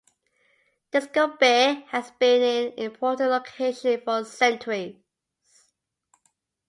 Disko Bay has been an important location for centuries.